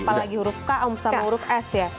apalagi huruf k sama huruf s ya